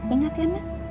ingat ya ma